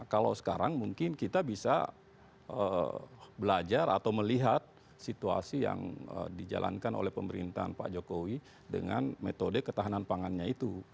kalau sekarang mungkin kita bisa belajar atau melihat situasi yang dijalankan oleh pemerintahan pak jokowi dengan metode ketahanan pangannya itu